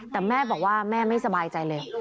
แต่แม่บอกว่าแม่ไม่สบายใจเลย